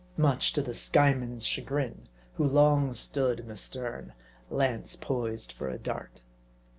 Much to the Skyeman's chagrin ; who long stood in the stern, lance poised for a dart.